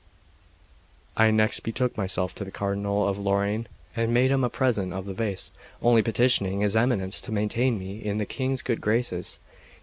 I next betook myself to the Cardinal of Lorraine, and made him a present of the vase, only petitioning his Eminence to maintain me in the King's good graces.